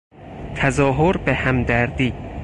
تظاهر به همدردی